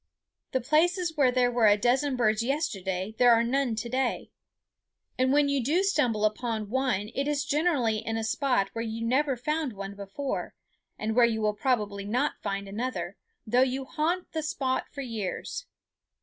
In places where there were a dozen birds yesterday there are none to day; and when you do stumble upon one it is generally in a spot where you never found one before, and where you will probably not find another, though you haunt the spot for years.